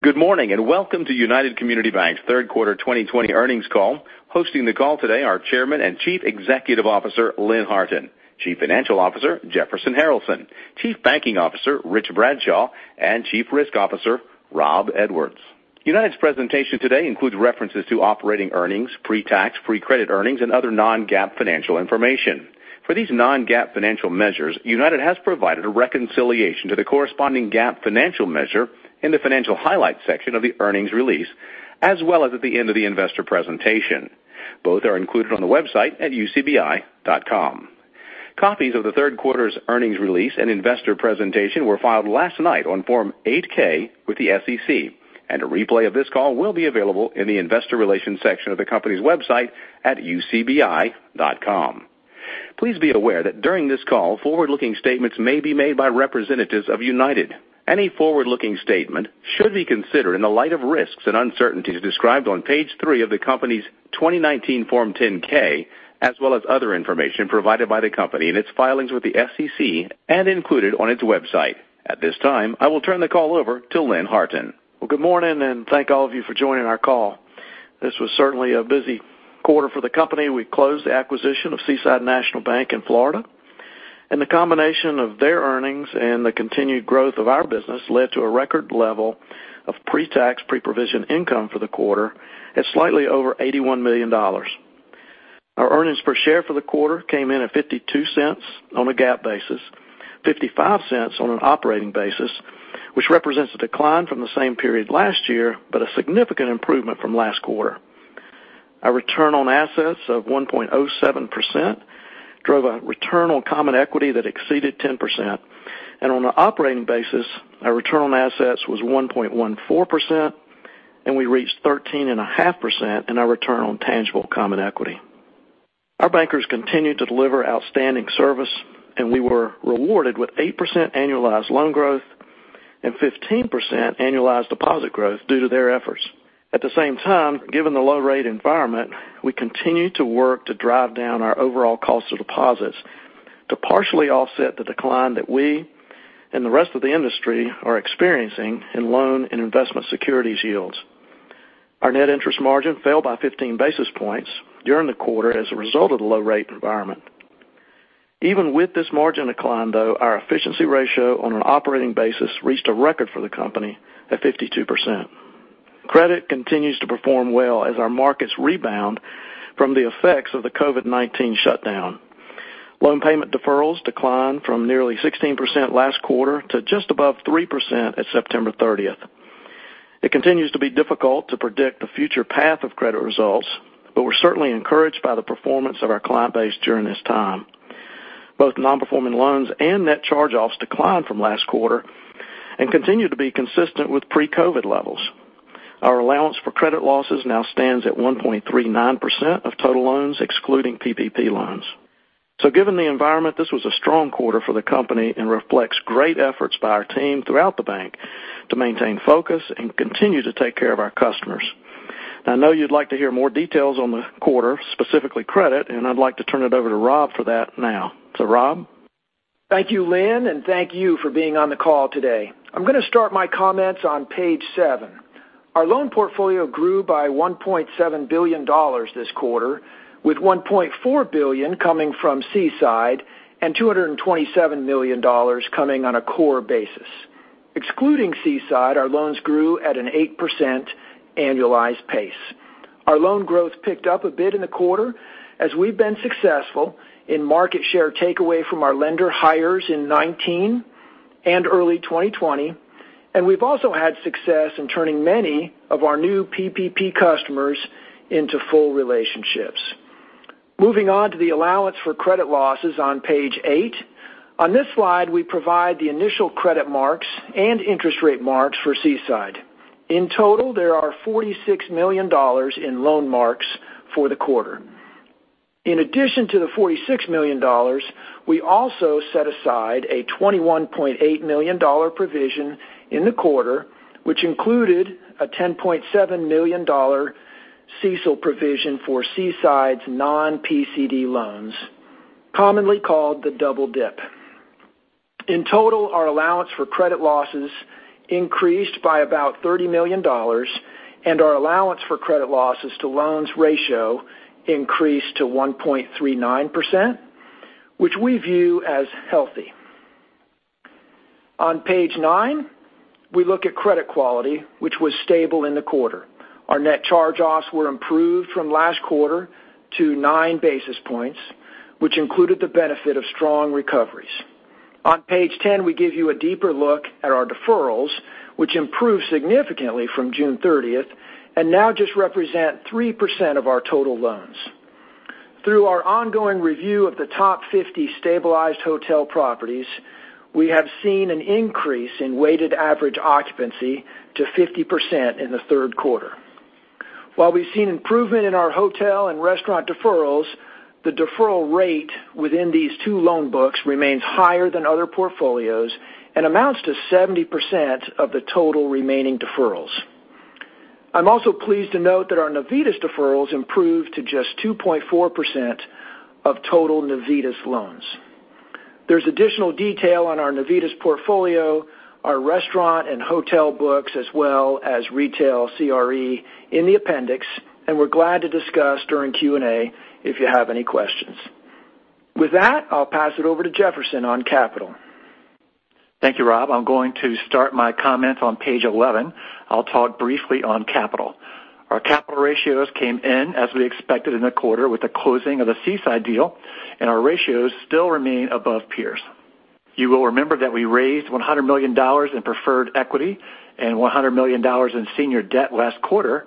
Good morning, and welcome to United Community Banks' third quarter 2020 earnings call. Hosting the call today are Chairman and Chief Executive Officer, Lynn Harton; Chief Financial Officer, Jefferson Harralson; Chief Banking Officer, Rich Bradshaw; and Chief Risk Officer, Rob Edwards. United's presentation today includes references to operating earnings, pre-tax, pre-credit earnings, and other non-GAAP financial information. For these non-GAAP financial measures, United has provided a reconciliation to the corresponding GAAP financial measure in the financial highlights section of the earnings release, as well as at the end of the investor presentation. Both are included on the website at ucbi.com. Copies of the third quarter's earnings release and investor presentation were filed last night on Form 8-K with the SEC. A replay of this call will be available in the investor relations section of the company's website at ucbi.com. Please be aware that during this call, forward-looking statements may be made by representatives of United. Any forward-looking statement should be considered in the light of risks and uncertainties described on page three of the company's 2019 Form 10-K, as well as other information provided by the company in its filings with the SEC and included on its website. At this time, I will turn the call over to Lynn Harton. Well, good morning, and thank all of you for joining our call. This was certainly a busy quarter for the company. We closed the acquisition of Seaside National Bank in Florida, and the combination of their earnings and the continued growth of our business led to a record level of pre-tax, pre-provision income for the quarter at slightly over $81 million. Our earnings per share for the quarter came in at $0.52 on a GAAP basis, $0.55 on an operating basis, which represents a decline from the same period last year, but a significant improvement from last quarter. Our return on assets of 1.07% drove a return on common equity that exceeded 10%, and on an operating basis, our return on assets was 1.14%, and we reached 13.5% in our return on tangible common equity. Our bankers continued to deliver outstanding service, and we were rewarded with 8% annualized loan growth and 15% annualized deposit growth due to their efforts. At the same time, given the low rate environment, we continue to work to drive down our overall cost of deposits to partially offset the decline that we and the rest of the industry are experiencing in loan and investment securities yields. Our net interest margin fell by 15 basis points during the quarter as a result of the low rate environment. Even with this margin decline, though, our efficiency ratio on an operating basis reached a record for the company at 52%. Credit continues to perform well as our markets rebound from the effects of the COVID-19 shutdown. Loan payment deferrals declined from nearly 16% last quarter to just above 3% at September 30th. It continues to be difficult to predict the future path of credit results, but we're certainly encouraged by the performance of our client base during this time. Both non-performing loans and net charge-offs declined from last quarter and continue to be consistent with pre-COVID-19 levels. Our allowance for credit losses now stands at 1.39% of total loans, excluding PPP loans. Given the environment, this was a strong quarter for the company and reflects great efforts by our team throughout the bank to maintain focus and continue to take care of our customers. I know you'd like to hear more details on the quarter, specifically credit, and I'd like to turn it over to Rob for that now. Rob. Thank you, Lynn, and thank you for being on the call today. I'm going to start my comments on page seven. Our loan portfolio grew by $1.7 billion this quarter, with $1.4 billion coming from Seaside and $227 million coming on a core basis. Excluding Seaside, our loans grew at an 8% annualized pace. Our loan growth picked up a bit in the quarter as we've been successful in market share takeaway from our lender hires in 2019 and early 2020, and we've also had success in turning many of our new PPP customers into full relationships. Moving on to the allowance for credit losses on page eight. On this slide, we provide the initial credit marks and interest rate marks for Seaside. In total, there are $46 million in loan marks for the quarter. In addition to the $46 million, we also set aside a $21.8 million provision in the quarter, which included a $10.7 million CECL provision for Seaside's non-PCD loans, commonly called the double dip. In total, our allowance for credit losses increased by about $30 million, and our allowance for credit losses to loans ratio increased to 1.39%, which we view as healthy. On page nine, we look at credit quality, which was stable in the quarter. Our net charge-offs were improved from last quarter to nine basis points, which included the benefit of strong recoveries. On page 10, we give you a deeper look at our deferrals, which improved significantly from June 30th and now just represent 3% of our total loans. Through our ongoing review of the top 50 stabilized hotel properties, we have seen an increase in weighted average occupancy to 50% in the third quarter. While we've seen improvement in our hotel and restaurant deferrals, the deferral rate within these two loan books remains higher than other portfolios and amounts to 70% of the total remaining deferrals. I'm also pleased to note that our Navitas deferrals improved to just 2.4% of total Navitas loans. There's additional detail on our Navitas portfolio, our restaurant and hotel books, as well as retail CRE in the appendix, and we're glad to discuss during Q&A if you have any questions. With that, I'll pass it over to Jefferson on capital. Thank you, Rob. I'm going to start my comments on page 11. I'll talk briefly on capital. Our capital ratios came in as we expected in the quarter with the closing of the Seaside deal, and our ratios still remain above peers. You will remember that we raised $100 million in preferred equity and $100 million in senior debt last quarter.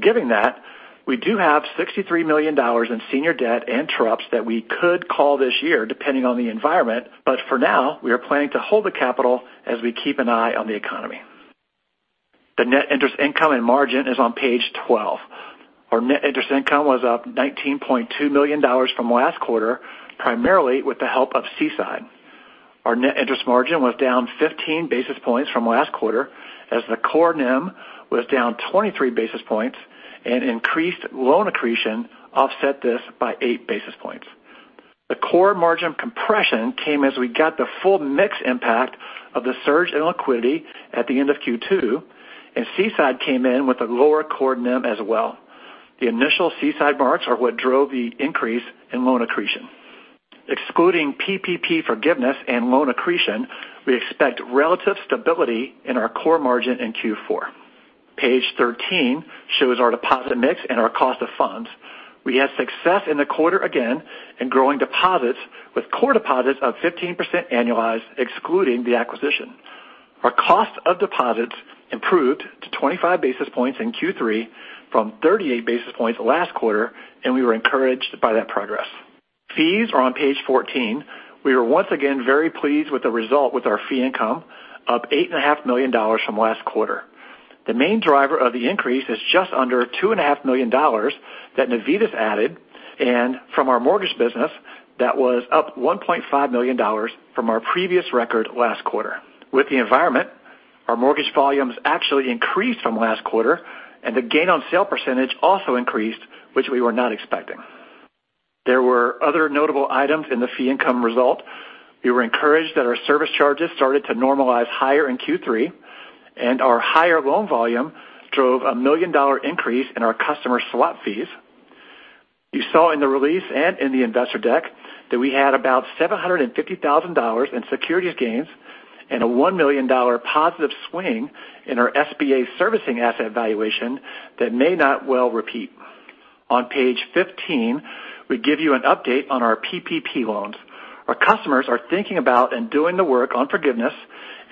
Given that, we do have $63 million in senior debt and TRUPS that we could call this year, depending on the environment. For now, we are planning to hold the capital as we keep an eye on the economy. The net interest income and margin is on page 12. Our net interest income was up $19.2 million from last quarter, primarily with the help of Seaside. Our net interest margin was down 15 basis points from last quarter, as the core NIM was down 23 basis points and increased loan accretion offset this by eight basis points. The core margin compression came as we got the full mix impact of the surge in liquidity at the end of Q2, and Seaside came in with a lower core NIM as well. The initial Seaside marks are what drove the increase in loan accretion. Excluding PPP forgiveness and loan accretion, we expect relative stability in our core margin in Q4. Page 13 shows our deposit mix and our cost of funds. We had success in the quarter again in growing deposits with core deposits up 15% annualized, excluding the acquisition. Our cost of deposits improved to 25 basis points in Q3 from 38 basis points last quarter, and we were encouraged by that progress. Fees are on page 14. We were once again very pleased with the result with our fee income up $8.5 million from last quarter. The main driver of the increase is just under $2.5 million that Navitas added, and from our mortgage business, that was up $1.5 million from our previous record last quarter. With the environment, our mortgage volumes actually increased from last quarter, and the gain-on-sale percentage also increased, which we were not expecting. There were other notable items in the fee income result. We were encouraged that our service charges started to normalize higher in Q3, and our higher loan volume drove a million-dollar increase in our customer swap fees. You saw in the release and in the investor deck that we had about $750,000 in securities gains and a $1 million positive swing in our SBA servicing asset valuation that may not well repeat. On page 15, we give you an update on our PPP loans. Our customers are thinking about and doing the work on forgiveness,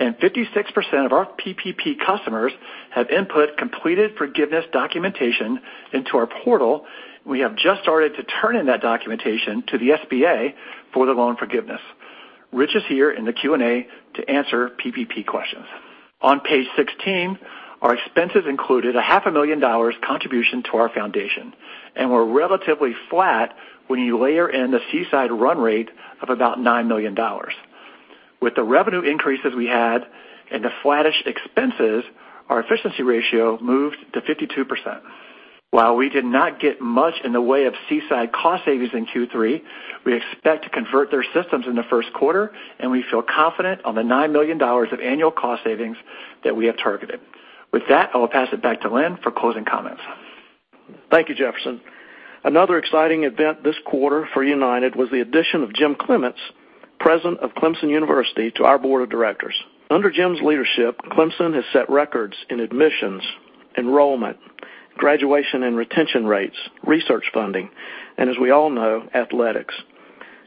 and 56% of our PPP customers have input completed forgiveness documentation into our portal. We have just started to turn in that documentation to the SBA for the loan forgiveness. Rich is here in the Q&A to answer PPP questions. On page 16, our expenses included a half a million dollars contribution to our foundation and were relatively flat when you layer in the Seaside run rate of about $9 million. With the revenue increases we had and the flattish expenses, our efficiency ratio moved to 52%. While we did not get much in the way of Seaside cost savings in Q3, we expect to convert their systems in the first quarter, and we feel confident on the $9 million of annual cost savings that we have targeted. With that, I will pass it back to Lynn for closing comments. Thank you, Jefferson. Another exciting event this quarter for United was the addition of Jim Clements, President of Clemson University, to our board of directors. Under Jim's leadership, Clemson has set records in admissions, enrollment, graduation and retention rates, research funding, and as we all know, athletics.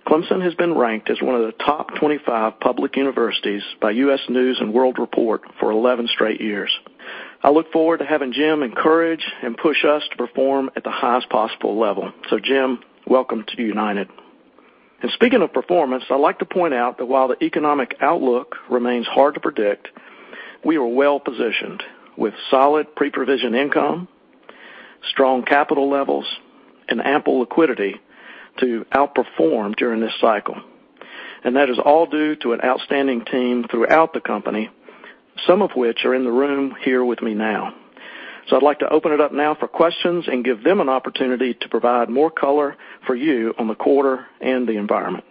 Clemson has been ranked as one of the top 25 public universities by U.S. News & World Report for 11 straight years. I look forward to having Jim encourage and push us to perform at the highest possible level. Jim, welcome to United. Speaking of performance, I'd like to point out that while the economic outlook remains hard to predict, we are well-positioned with solid pre-provision income, strong capital levels, and ample liquidity to outperform during this cycle. That is all due to an outstanding team throughout the company, some of which are in the room here with me now. I'd like to open it up now for questions and give them an opportunity to provide more color for you on the quarter and the environment.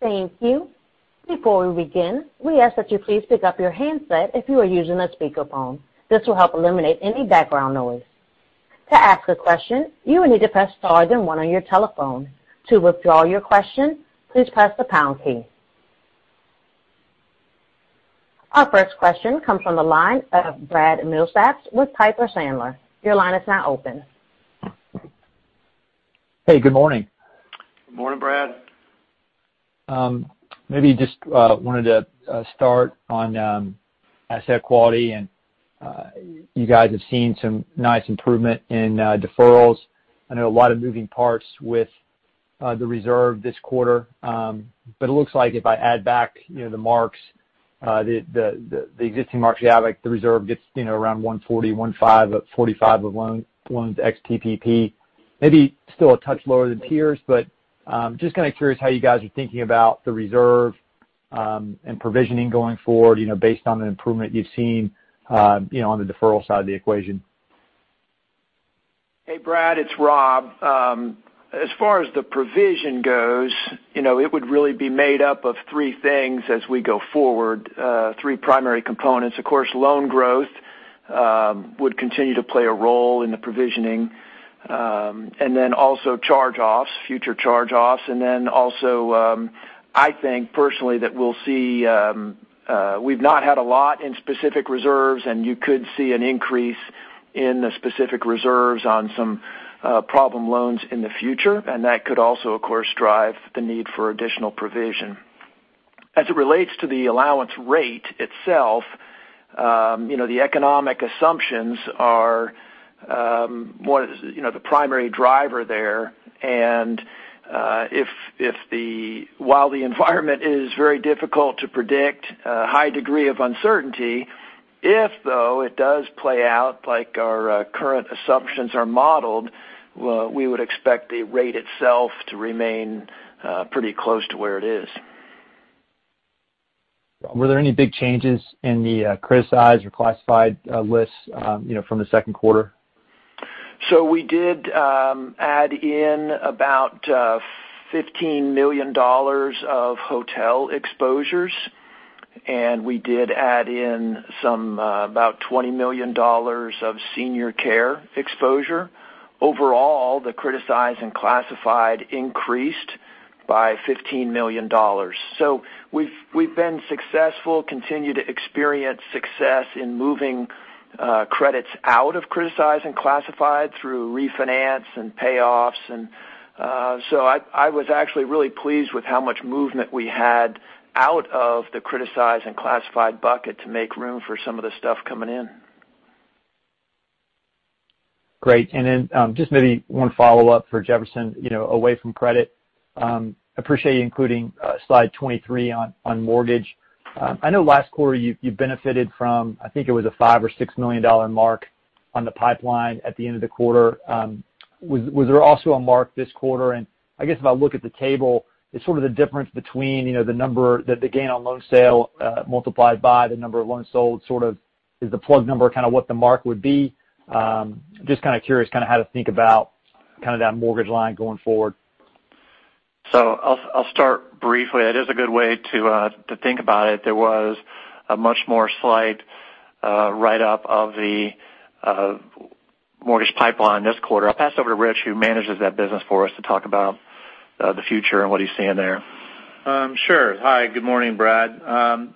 Thank you. Before we begin, we ask that you please pick up your handset if you are using a speakerphone. This will help eliminate any background noise. To ask a question, you will need to press star then one on your telephone. To withdraw your question, please press the pound key. Our first question comes from the line of Brad Milsaps with Piper Sandler. Your line is now open. Hey, good morning. Good morning, Brad. Maybe just wanted to start on asset quality, and you guys have seen some nice improvement in deferrals. I know a lot of moving parts with the reserve this quarter. It looks like if I add back the marks, the existing marks you have, the reserve gets around 140, 145 of loans ex-PPP still a touch lower than peers, but just kind of curious how you guys are thinking about the reserve and provisioning going forward based on the improvement you've seen on the deferral side of the equation. Hey, Brad, it's Rob. As far as the provision goes, it would really be made up of three things as we go forward. Three primary components. Of course, loan growth would continue to play a role in the provisioning. Then also charge-offs, future charge-offs, and then also, I think personally that we've not had a lot in specific reserves, and you could see an increase in the specific reserves on some problem loans in the future. That could also, of course, drive the need for additional provision. As it relates to the allowance rate itself, the economic assumptions are the primary driver there. While the environment is very difficult to predict, a high degree of uncertainty. If, though, it does play out like our current assumptions are modeled, we would expect the rate itself to remain pretty close to where it is. Were there any big changes in the criticized or classified lists from the second quarter? We did add in about $15 million of hotel exposures, and we did add in some about $20 million of senior care exposure. Overall, the criticized and classified increased by $15 million. We've been successful, continue to experience success in moving credits out of criticized and classified through refinance and payoffs. I was actually really pleased with how much movement we had out of the criticized and classified bucket to make room for some of the stuff coming in. Great. Then just maybe one follow-up for Jefferson away from credit. Appreciate you including slide 23 on mortgage. I know last quarter you benefited from, I think it was a $5 million or $6 million mark on the pipeline at the end of the quarter. Was there also a mark this quarter? I guess if I look at the table, it's sort of the difference between the number that the gain-on-sale multiplied by the number of loans sold sort of is the plug number kind of what the mark would be. Just kind of curious how to think about that mortgage line going forward. I'll start briefly. That is a good way to think about it. There was a much more slight write-up of the mortgage pipeline this quarter. I'll pass over to Rich, who manages that business for us to talk about the future and what he's seeing there. Sure. Hi. Good morning, Brad.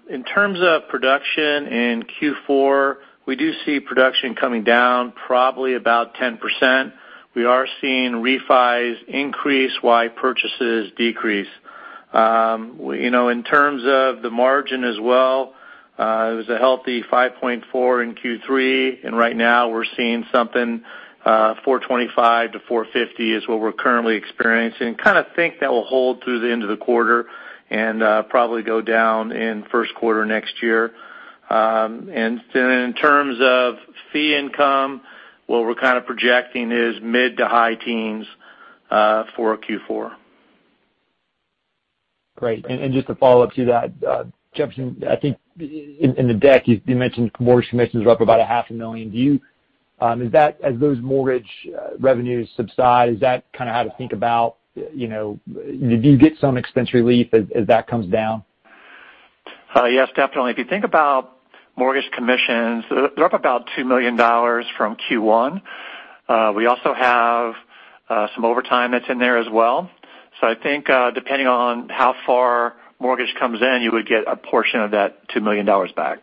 In terms of production in Q4, we do see production coming down probably about 10%. We are seeing refis increase while purchases decrease. In terms of the margin as well, it was a healthy 5.4% in Q3. Right now we're seeing something 425 to 450 is what we're currently experiencing. Kind of think that will hold through the end of the quarter and probably go down in first quarter next year. Then in terms of fee income, what we're kind of projecting is mid to high teens for Q4. Great. Just to follow up to that, Jefferson, I think in the deck you mentioned mortgage commissions are up about a half a million. As those mortgage revenues subside, is that kind of how to think about, do you get some expense relief as that comes down? Yes, definitely. If you think about mortgage commissions, they're up about $2 million from Q1. We also have some overtime that's in there as well. I think depending on how far mortgage comes in, you would get a portion of that $2 million back.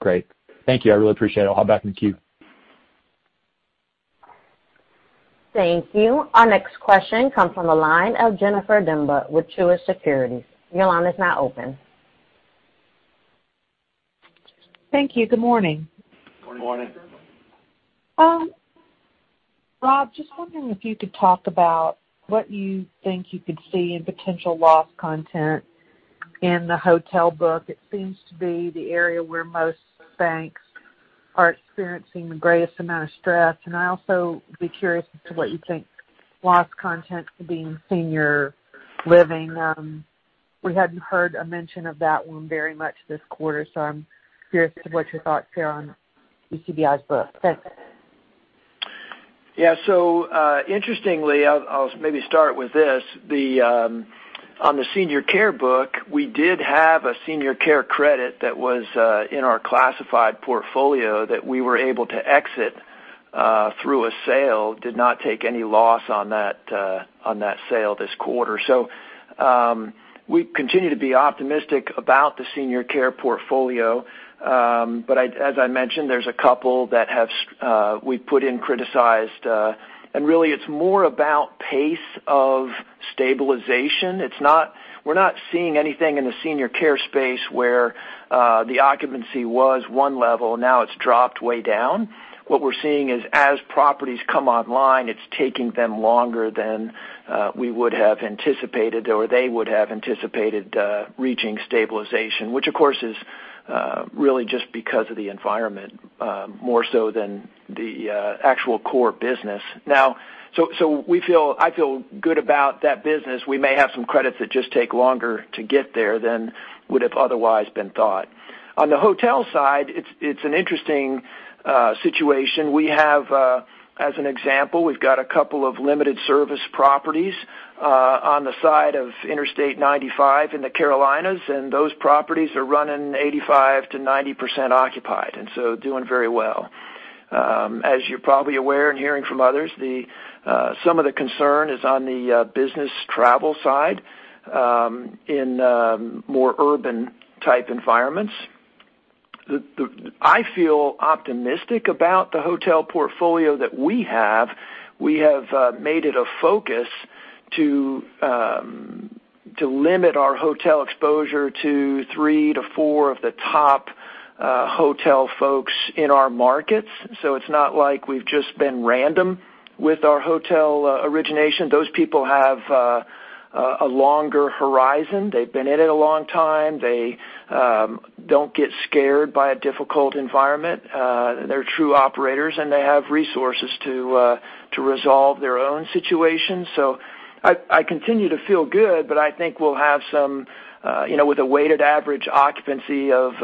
Great. Thank you. I really appreciate it. I'll hop back in the queue. Thank you. Our next question comes from the line of Jennifer Demba with Truist Securities. Your line is now open. Thank you. Good morning. Good morning. Rob, just wondering if you could talk about what you think you could see in potential loss content in the hotel book. It seems to be the area where most banks are experiencing the greatest amount of stress. I also would be curious as to what you think loss content could be in senior living. We hadn't heard a mention of that one very much this quarter, so I'm curious as to what your thoughts are on UCBI's book. Thanks. Yeah. Interestingly, I'll maybe start with this. On the senior care book, we did have a senior care credit that was in our classified portfolio that we were able to exit through a sale. Did not take any loss on that sale this quarter. We continue to be optimistic about the senior care portfolio. As I mentioned, there's a couple that we've put in criticized and really it's more about pace of stabilization. We're not seeing anything in the senior care space where the occupancy was one level, now it's dropped way down. What we're seeing is as properties come online, it's taking them longer than we would have anticipated, or they would have anticipated reaching stabilization, which of course is really just because of the environment, more so than the actual core business. Now, I feel good about that business. We may have some credits that just take longer to get there than would have otherwise been thought. On the hotel side, it's an interesting situation. As an example, we've got a couple of limited service properties on the side of Interstate 95 in the Carolinas, and those properties are running 85%-90% occupied. Doing very well. As you're probably aware and hearing from others, some of the concern is on the business travel side, in more urban type environments. I feel optimistic about the hotel portfolio that we have. We have made it a focus to limit our hotel exposure to three to four of the top hotel folks in our markets. It's not like we've just been random with our hotel origination. Those people have a longer horizon. They've been in it a long time. They don't get scared by a difficult environment. They're true operators, and they have resources to resolve their own situation. I continue to feel good, but I think with a weighted average occupancy of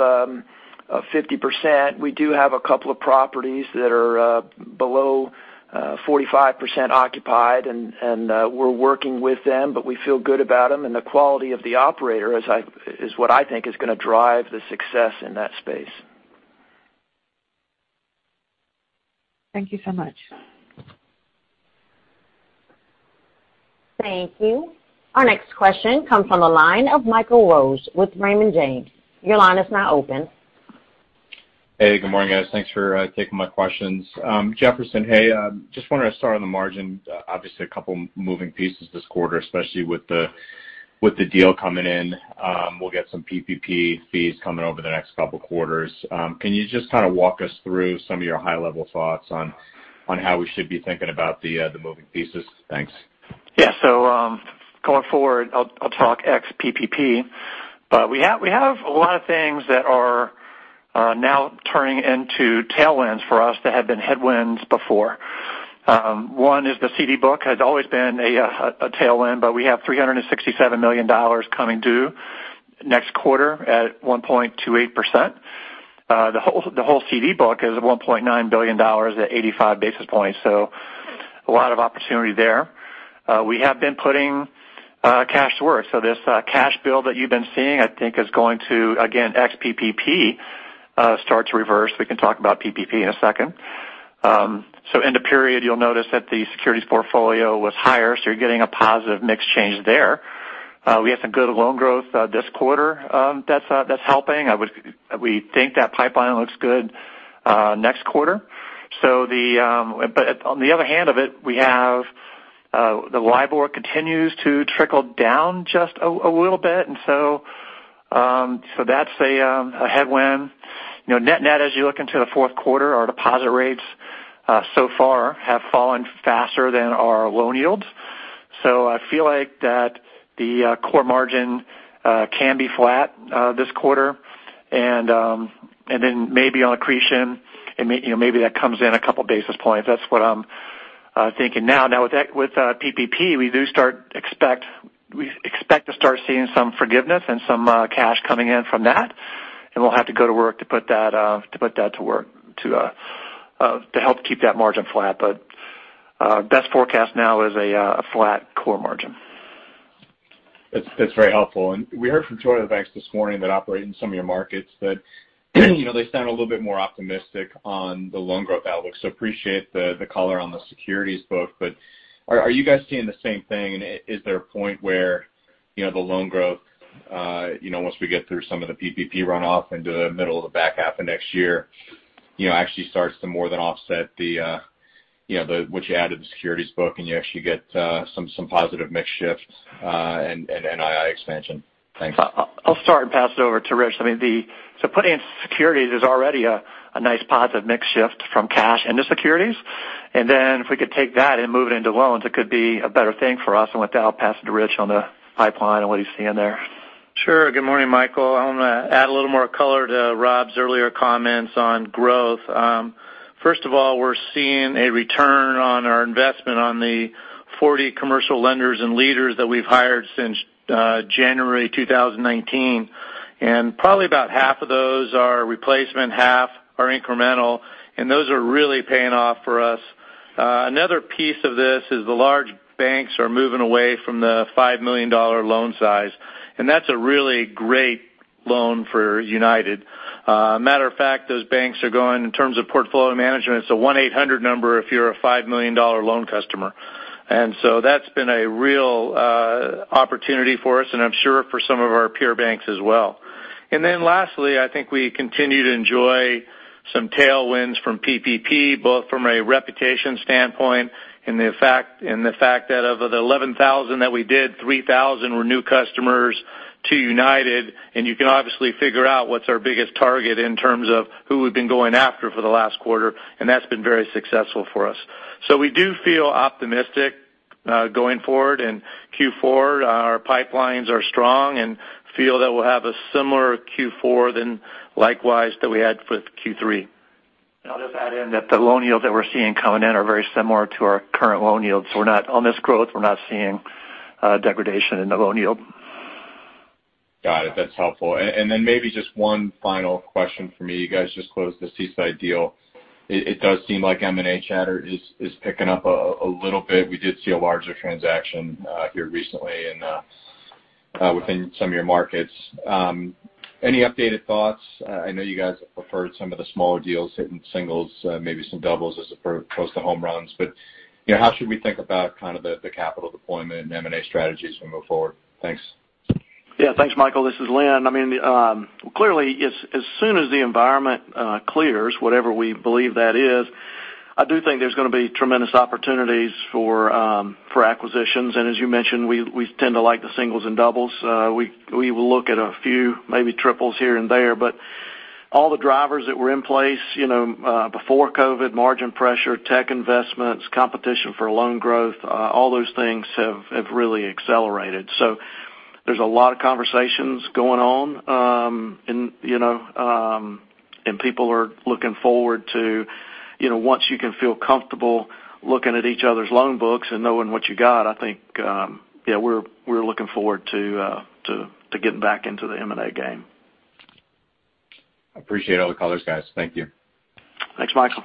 50%, we do have a couple of properties that are below 45% occupied and we're working with them, but we feel good about them. The quality of the operator is what I think is going to drive the success in that space. Thank you so much. Thank you. Our next question comes from the line of Michael Rose with Raymond James. Your line is now open. Hey, good morning, guys. Thanks for taking my questions. Jefferson, hey, I just wanted to start on the margin. Obviously a couple moving pieces this quarter, especially with the deal coming in. We'll get some PPP fees coming over the next couple quarters. Can you just kind of walk us through some of your high-level thoughts on how we should be thinking about the moving pieces? Thanks. Yeah. Going forward, I'll talk ex PPP. We have a lot of things that are now turning into tailwinds for us that had been headwinds before. One is the CD book has always been a tailwind, but we have $367 million coming due next quarter at 1.28%. The whole CD book is at $1.9 billion at 85 basis points. A lot of opportunity there. We have been putting cash to work. This cash build that you've been seeing, I think is going to, again, ex PPP, start to reverse. We can talk about PPP in a second. End of period, you'll notice that the securities portfolio was higher, so you're getting a positive mix change there. We had some good loan growth this quarter that's helping. We think that pipeline looks good next quarter. On the other hand of it, we have the LIBOR continues to trickle down just a little bit, that's a headwind. Net-net, as you look into the fourth quarter, our deposit rates so far have fallen faster than our loan yields. I feel like that the core margin can be flat this quarter. Then maybe on accretion, maybe that comes in a couple basis points. That's what I'm thinking now. Now with PPP, we expect to start seeing some forgiveness and some cash coming in from that, and we'll have to go to work to put that to work to help keep that margin flat. Best forecast now is a flat core margin. That's very helpful. We heard from two other banks this morning that operate in some of your markets that they sound a little bit more optimistic on the loan growth outlook. Appreciate the color on the securities book, but are you guys seeing the same thing? Is there a point where the loan growth once we get through some of the PPP runoff into the middle of the back half of next year, actually starts to more than offset what you add to the securities book and you actually get some positive mix shifts and NII expansion? Thanks. I'll start and pass it over to Rich. Putting into securities is already a nice positive mix shift from cash into securities. If we could take that and move it into loans, it could be a better thing for us. With that, I'll pass it to Rich on the pipeline and what he's seeing there. Sure. Good morning, Michael. I want to add a little more color to Rob's earlier comments on growth. First of all, we're seeing a return on our investment on the 40 commercial lenders and leaders that we've hired since January 2019. Probably about half of those are replacement, half are incremental, and those are really paying off for us. Another piece of this is the large banks are moving away from the $5 million loan size, and that's a really great loan for United. Matter of fact, those banks are going, in terms of portfolio management, it's a 1-800 number if you're a $5 million loan customer. That's been a real opportunity for us and I'm sure for some of our peer banks as well. lastly, I think we continue to enjoy some tailwinds from PPP, both from a reputation standpoint and the fact that of the 11,000 that we did, 3,000 were new customers to United. you can obviously figure out what's our biggest target in terms of who we've been going after for the last quarter, and that's been very successful for us. we do feel optimistic Going forward in Q4, our pipelines are strong and feel that we'll have a similar Q4 than likewise that we had with Q3. I'll just add in that the loan yields that we're seeing coming in are very similar to our current loan yields. On this growth, we're not seeing degradation in the loan yield. Got it. That's helpful. Then maybe just one final question from me. You guys just closed the Seaside deal. It does seem like M&A chatter is picking up a little bit. We did see a larger transaction here recently within some of your markets. Any updated thoughts? I know you guys have preferred some of the smaller deals, hitting singles, maybe some doubles as opposed to home runs. How should we think about the capital deployment and M&A strategies as we move forward? Thanks. Yeah. Thanks, Michael. This is Lynn. Clearly, as soon as the environment clears, whatever we believe that is, I do think there's going to be tremendous opportunities for acquisitions. As you mentioned, we tend to like the singles and doubles. We will look at a few, maybe triples here and there, all the drivers that were in place before COVID-19, margin pressure, tech investments, competition for loan growth, all those things have really accelerated. There's a lot of conversations going on. People are looking forward to once you can feel comfortable looking at each other's loan books and knowing what you got, I think we're looking forward to getting back into the M&A game. I appreciate all the colors, guys. Thank you. Thanks, Michael.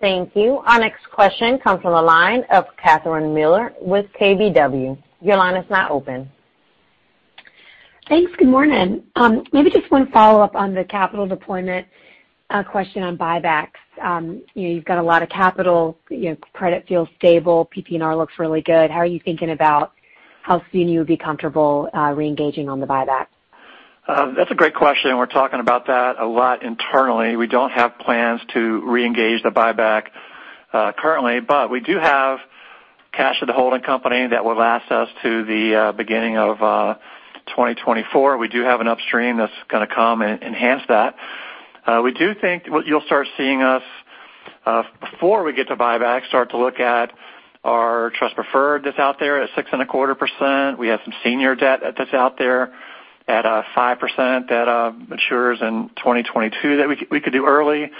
Thank you. Our next question comes from the line of Catherine Mealor with KBW. Your line is now open. Thanks. Good morning. Just one follow-up on the capital deployment question on buybacks. You've got a lot of capital. Credit feels stable. PPNR looks really good. How are you thinking about how soon you would be comfortable reengaging on the buyback? That's a great question, and we're talking about that a lot internally. We don't have plans to reengage the buyback currently. We do have cash at the holding company that will last us to the beginning of 2024. We do have an upstream that's going to come and enhance that. We do think what you'll start seeing us before we get to buyback, start to look at our trust preferred that's out there at 6.25%. We have some senior debt that's out there at 5% that matures in 2022 that we could do early.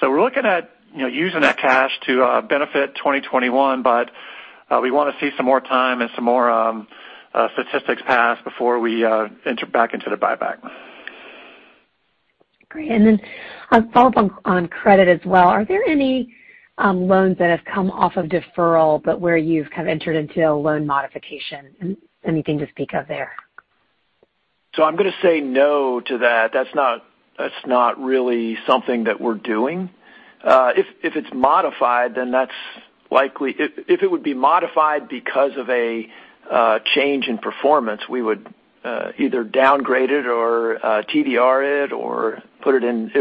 We're looking at using that cash to benefit 2021. We want to see some more time and some more statistics pass before we enter back into the buyback. Great. A follow-up on credit as well. Are there any loans that have come off of deferral, but where you've kind of entered into a loan modification? Anything to speak of there? I'm going to say no to that. That's not really something that we're doing. If it's modified because of a change in performance, we would either downgrade it or TDR it, or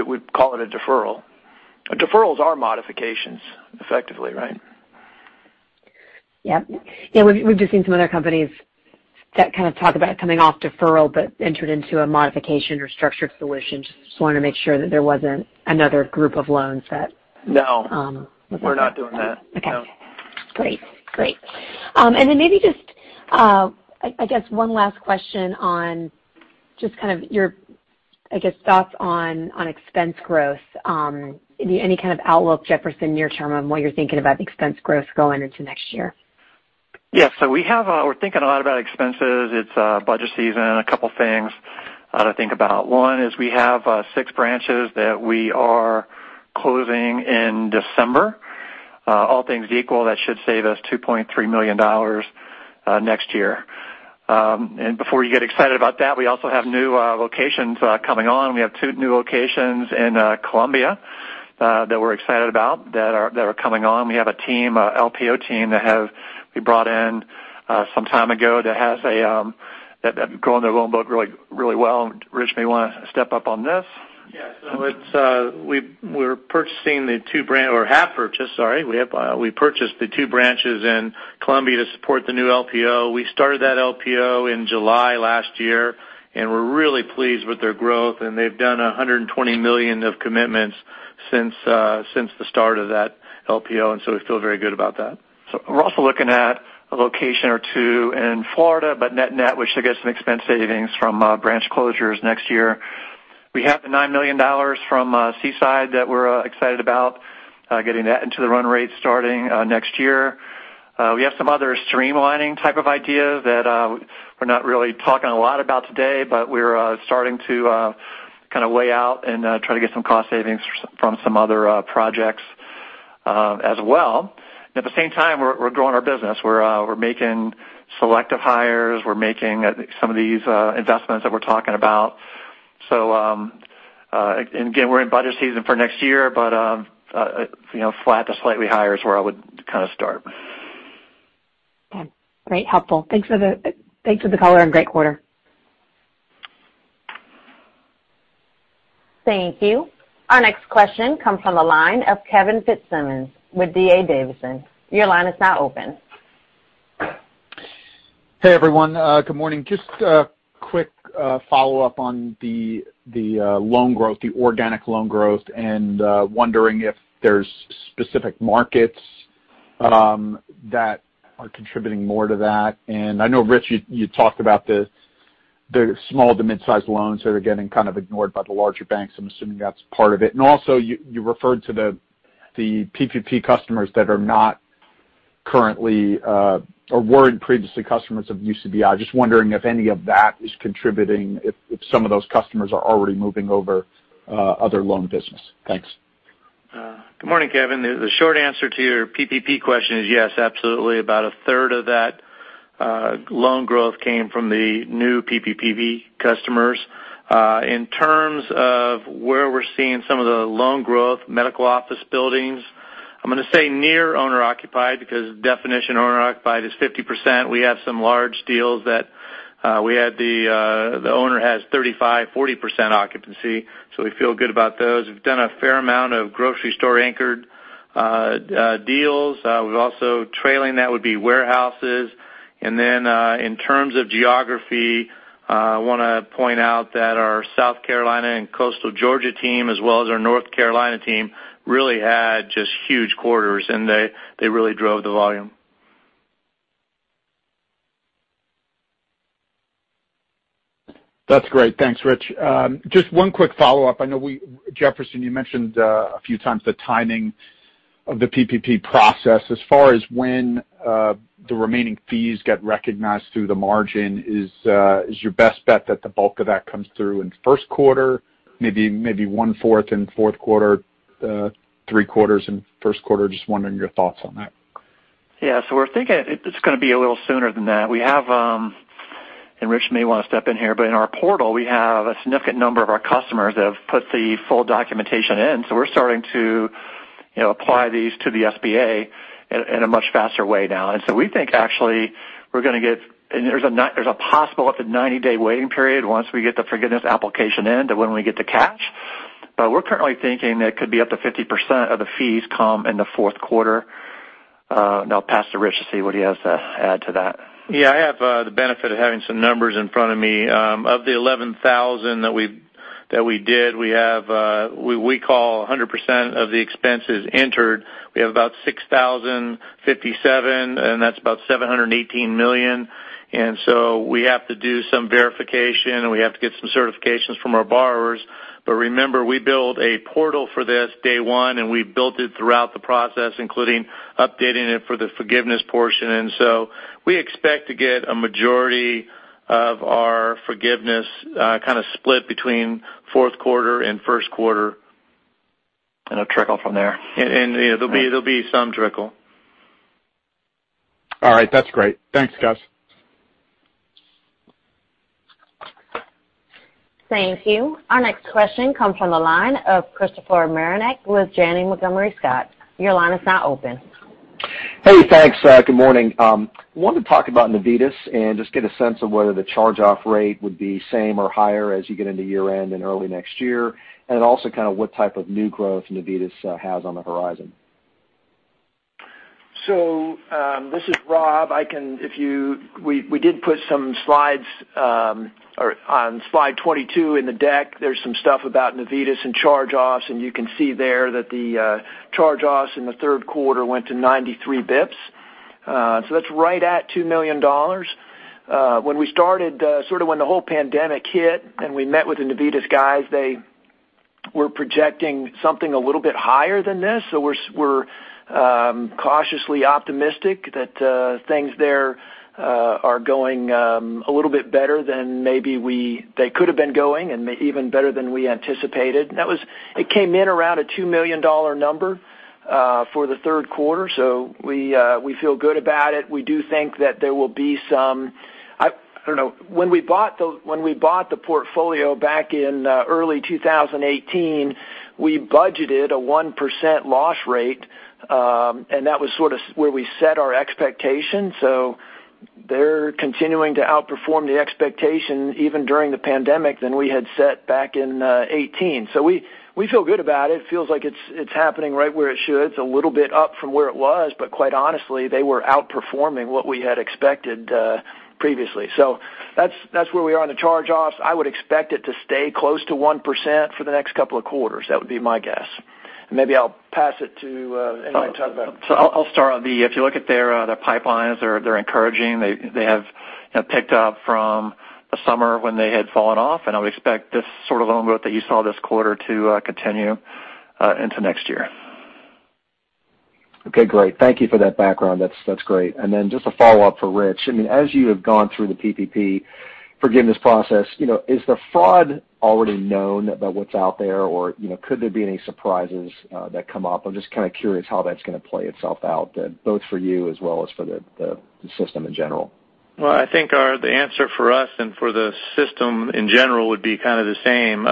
we'd call it a deferral. Deferrals are modifications effectively, right? Yep. We've just seen some other companies that kind of talk about coming off deferral, but entered into a modification or structured solution. Just wanted to make sure that there wasn't another group of loans. No. Okay. We're not doing that. No. Great. Maybe just, I guess one last question on just kind of your, I guess, thoughts on expense growth. Any kind of outlook, Jefferson, near term on what you're thinking about expense growth going into next year? Yeah. We're thinking a lot about expenses. It's budget season. A couple of things to think about. One is we have six branches that we are closing in December. All things equal, that should save us $2.3 million next year. Before you get excited about that, we also have new locations coming on. We have two new locations in Columbia that we're excited about that are coming on. We have a LPO team that we brought in some time ago that have grown their loan book really well. Rich, maybe want to step up on this? Yeah. We purchased the two branches in Columbia to support the new LPO. We started that LPO in July last year, and we're really pleased with their growth, and they've done $120 million of commitments since the start of that LPO, and so we feel very good about that. We're also looking at a location or two in Florida, but net, we should get some expense savings from branch closures next year. We have the $9 million from Seaside that we're excited about getting that into the run rate starting next year. We have some other streamlining type of ideas that we're not really talking a lot about today, but we're starting to kind of weigh out and try to get some cost savings from some other projects as well. At the same time, we're growing our business. We're making selective hires. We're making some of these investments that we're talking about. Again, we're in budget season for next year, but flat to slightly higher is where I would kind of start. Okay. Great. Helpful. Thanks for the color and great quarter. Thank you. Our next question comes from the line of Kevin Fitzsimmons with D.A. Davidson. Your line is now open. Hey, everyone. Good morning. Just a quick follow-up on the loan growth, the organic loan growth, and wondering if there's specific markets that are contributing more to that. I know, Rich, you talked about the small to mid-sized loans that are getting kind of ignored by the larger banks, so I'm assuming that's part of it. Also, you referred to the PPP customers that are not currently or weren't previously customers of UCBI. Just wondering if any of that is contributing, if some of those customers are already moving over other loan business. Thanks. Good morning, Kevin. The short answer to your PPP question is yes, absolutely. About a third of that loan growth came from the new PPP customers. In terms of where we're seeing some of the loan growth, medical office buildings. I'm going to say near owner-occupied because the definition of owner-occupied is 50%. We have some large deals that the owner has 35%, 40% occupancy, so we feel good about those. We've done a fair amount of grocery store anchored deals. Trailing that would be warehouses. In terms of geography, I want to point out that our South Carolina and coastal Georgia team, as well as our North Carolina team, really had just huge quarters, and they really drove the volume. That's great. Thanks, Rich. Just one quick follow-up. I know Jefferson, you mentioned a few times the timing of the PPP process. As far as when the remaining fees get recognized through the margin, is your best bet that the bulk of that comes through in the first quarter, maybe one-fourth in the fourth quarter, three-quarters in the first quarter? Just wondering your thoughts on that. Yeah. We're thinking it's going to be a little sooner than that. Rich may want to step in here, but in our portal, we have a significant number of our customers that have put the full documentation in. We're starting to apply these to the SBA in a much faster way now. We think, actually, we're going to get-- and there's a possible up to 90-day waiting period once we get the forgiveness application in to when we get the cash. We're currently thinking that could be up to 50% of the fees come in the fourth quarter. I'll pass to Rich to see what he has to add to that. Yeah, I have the benefit of having some numbers in front of me. Of the 11,000 that we did, we call 100% of the expenses entered. We have about 6,057, and that's about $718 million. We have to do some verification, and we have to get some certifications from our borrowers. Remember, we built a portal for this day one, and we built it throughout the process, including updating it for the forgiveness portion. We expect to get a majority of our forgiveness kind of split between fourth quarter and first quarter. A trickle from there. There'll be some trickle. All right. That's great. Thanks, guys. Thank you. Our next question comes from the line of Christopher Marinac with Janney Montgomery Scott. Your line is now open. Hey, thanks. Good morning. I wanted to talk about Navitas and just get a sense of whether the charge-off rate would be same or higher as you get into year-end and early next year. Also kind of what type of new growth Navitas has on the horizon. This is Rob. We did put some slides. On slide 22 in the deck, there's some stuff about Navitas and charge-offs, and you can see there that the charge-offs in the third quarter went to 93 basis points. That's right at $2 million. When we started, sort of when the whole pandemic hit and we met with the Navitas guys, they were projecting something a little bit higher than this. We're cautiously optimistic that things there are going a little bit better than maybe they could have been going and even better than we anticipated. It came in around a $2 million number for the third quarter, so we feel good about it. When we bought the portfolio back in early 2018, we budgeted a 1% loss rate, and that was sort of where we set our expectations. They're continuing to outperform the expectation even during the pandemic than we had set back in 2018. We feel good about it. Feels like it's happening right where it should. It's a little bit up from where it was, but quite honestly, they were outperforming what we had expected previously. That's where we are on the charge-offs. I would expect it to stay close to 1% for the next couple of quarters. That would be my guess. Maybe I'll pass it to anybody to talk about. If you look at their pipelines, they're encouraging. They have picked up from the summer when they had fallen off, and I would expect this sort of loan growth that you saw this quarter to continue into next year. Okay, great. Thank you for that background. That's great. Just a follow-up for Rich. As you have gone through the PPP forgiveness process, is the fraud already known about what's out there? Or could there be any surprises that come up? I'm just kind of curious how that's going to play itself out, both for you as well as for the system in general? I think the answer for us and for the system in general would be kind of the same.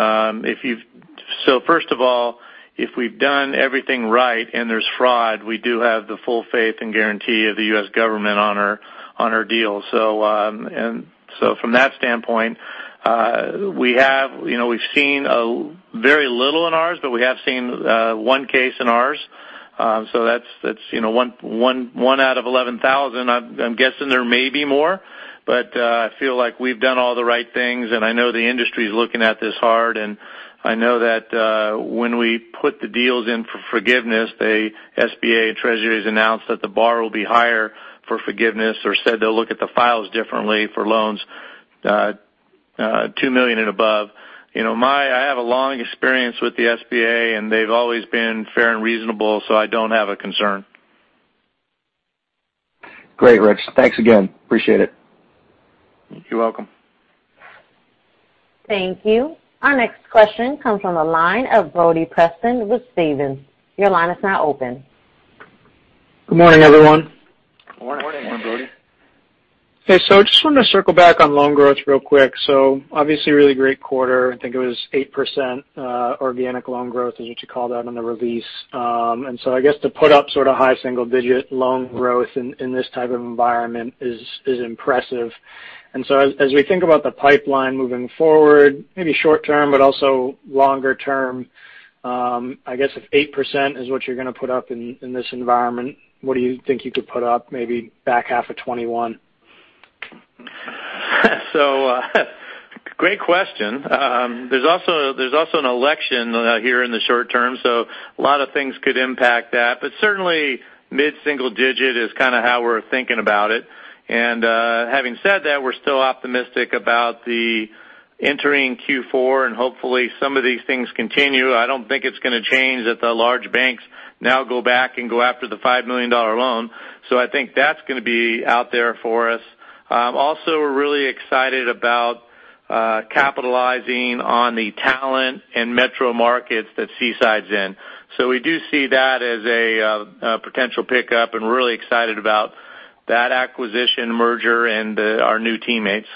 First of all, if we've done everything right and there's fraud, we do have the full faith and guarantee of the U.S. government on our deal. From that standpoint, we've seen very little in ours, but we have seen one case in ours. That's one out of 11,000. I'm guessing there may be more, but I feel like we've done all the right things, and I know the industry is looking at this hard, and I know that when we put the deals in for forgiveness, the SBA Treasury has announced that the bar will be higher for forgiveness or said they'll look at the files differently for loans $2 million and above. I have a long experience with the SBA, and they've always been fair and reasonable, so I don't have a concern. Great, Rich. Thanks again. Appreciate it. You're welcome. Thank you. Our next question comes from the line of Brody Preston with Stephens. Your line is now open. Good morning, everyone. Good morning. Good morning. Okay. Just wanted to circle back on loan growth real quick. Obviously really great quarter. I think it was 8% organic loan growth is what you called out on the release. I guess to put up sort of high single-digit loan growth in this type of environment is impressive. As we think about the pipeline moving forward, maybe short term, but also longer term, I guess if 8% is what you're going to put up in this environment, what do you think you could put up maybe back half of 2021? Great question. There's also an election here in the short term, so a lot of things could impact that, but certainly mid-single digit is kind of how we're thinking about it. Having said that, we're still optimistic about the entering Q4, and hopefully some of these things continue. I don't think it's going to change that the large banks now go back and go after the $5 million loan. I think that's going to be out there for us. Also, we're really excited about capitalizing on the talent and metro markets that Seaside's in. We do see that as a potential pickup and really excited about that acquisition merger and our new teammates.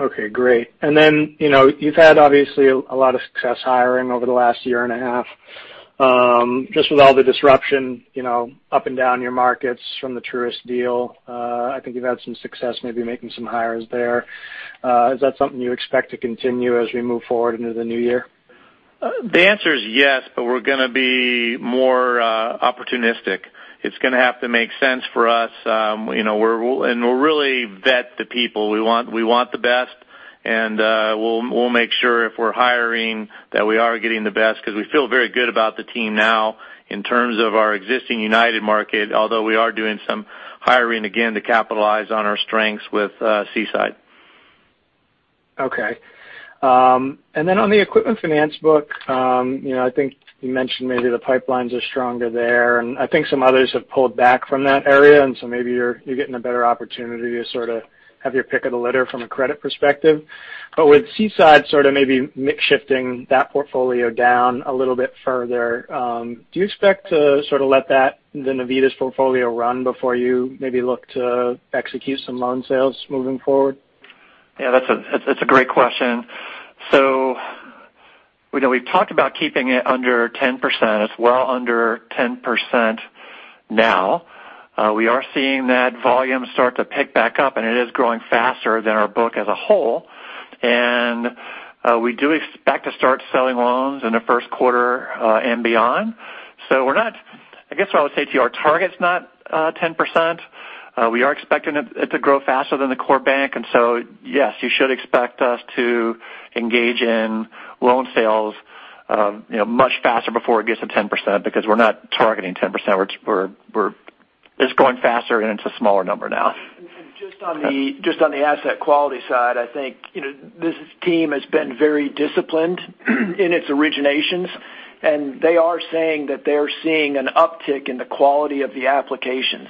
Okay, great. You've had obviously a lot of success hiring over the last year and a half, just with all the disruption up and down your markets from the Truist deal. I think you've had some success maybe making some hires there. Is that something you expect to continue as we move forward into the new year? The answer is yes, we're going to be more opportunistic. It's going to have to make sense for us. We'll really vet the people. We want the best, and we'll make sure if we're hiring that we are getting the best because we feel very good about the team now in terms of our existing United market, although we are doing some hiring again to capitalize on our strengths with Seaside. Then on the equipment finance book, I think you mentioned maybe the pipelines are stronger there, I think some others have pulled back from that area, so maybe you're getting a better opportunity to sort of have your pick of the litter from a credit perspective. With Seaside sort of maybe mix shifting that portfolio down a little bit further, do you expect to sort of let that Navitas portfolio run before you maybe look to execute some loan sales moving forward? That's a great question. We've talked about keeping it under 10%. It's well under 10% now. We are seeing that volume start to pick back up, and it is growing faster than our book as a whole. We do expect to start selling loans in the first quarter and beyond. I guess what I would say to you, our target's not 10%. We are expecting it to grow faster than the core bank. Yes, you should expect us to engage in loan sales much faster before it gets to 10% because we're not targeting 10%. It's growing faster, and it's a smaller number now. Just on the asset quality side, I think this team has been very disciplined in its originations, and they are saying that they're seeing an uptick in the quality of the applications.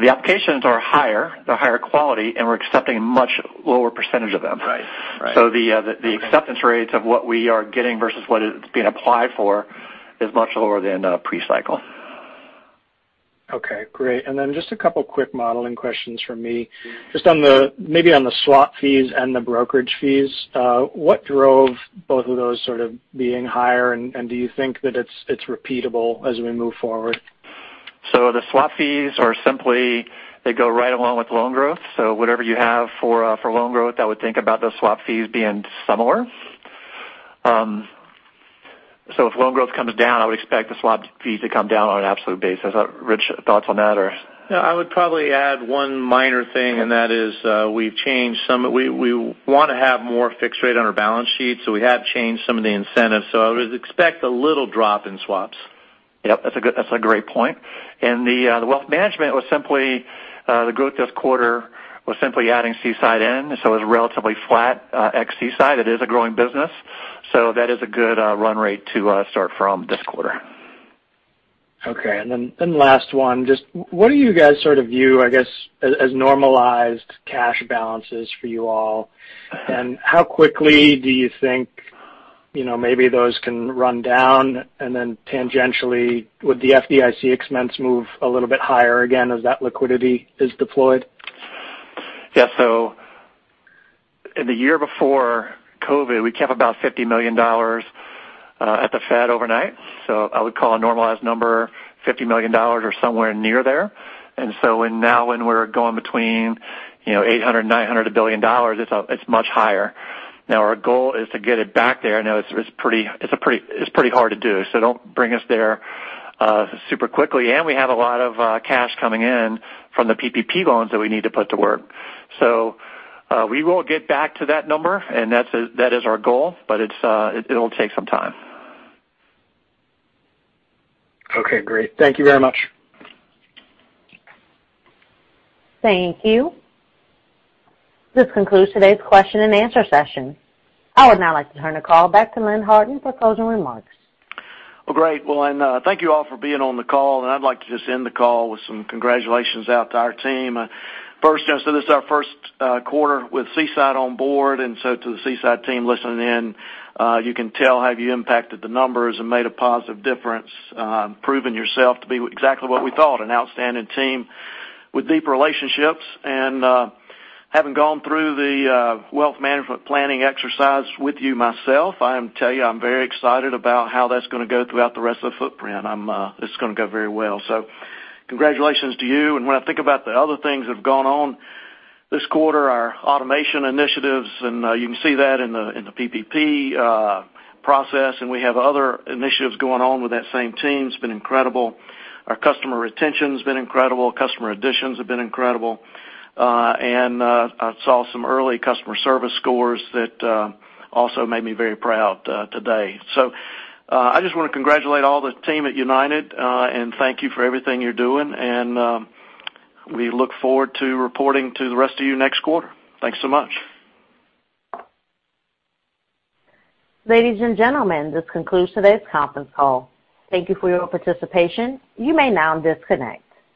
The applications are higher, they're higher quality, and we're accepting a much lower percentage of them. Right. The acceptance rates of what we are getting versus what is being applied for is much lower than pre-cycle. Okay, great. Just a couple quick modeling questions from me. Just maybe on the swap fees and the brokerage fees, what drove both of those sort of being higher, do you think that it's repeatable as we move forward? The swap fees are simply, they go right along with loan growth. Whatever you have for loan growth, I would think about the swap fees being similar. If loan growth comes down, I would expect the swap fee to come down on an absolute basis. Rich, thoughts on that or? I would probably add one minor thing, and that is we want to have more fixed rate on our balance sheet. We have changed some of the incentives. I would expect a little drop in swaps. Yep. That's a great point. The wealth management, the growth this quarter was simply adding Seaside in, so it was relatively flat ex-Seaside. It is a growing business, so that is a good run rate to start from this quarter. Okay. Last one, just what do you guys sort of view, I guess, as normalized cash balances for you all, and how quickly do you think maybe those can run down? Tangentially, would the FDIC expense move a little bit higher again as that liquidity is deployed? Yeah. In the year before COVID, we kept about $50 million at the Fed overnight. I would call a normalized number $50 million or somewhere near there. Now when we're going between $800 million, $900 million, $1 billion, it's much higher. Now our goal is to get it back there. I know it's pretty hard to do, don't bring us there super quickly. We have a lot of cash coming in from the PPP loans that we need to put to work. We will get back to that number, and that is our goal, but it will take some time. Okay, great. Thank you very much. Thank you. This concludes today's question and answer session. I would now like to turn the call back to Lynn Harton for closing remarks. Great. Thank you all for being on the call, and I'd like to just end the call with some congratulations out to our team. First, this is our first quarter with Seaside on board. To the Seaside team listening in, you can tell how you impacted the numbers and made a positive difference, proving yourself to be exactly what we thought, an outstanding team with deep relationships. Having gone through the wealth management planning exercise with you myself, I tell you, I'm very excited about how that's going to go throughout the rest of the footprint. It's going to go very well. Congratulations to you. When I think about the other things that have gone on this quarter, our automation initiatives, you can see that in the PPP process. We have other initiatives going on with that same team. It's been incredible. Our customer retention's been incredible. Customer additions have been incredible. I saw some early customer service scores that also made me very proud today. I just want to congratulate all the team at United, and thank you for everything you're doing, and we look forward to reporting to the rest of you next quarter. Thanks so much. Ladies and gentlemen, this concludes today's conference call. Thank you for your participation. You may now disconnect.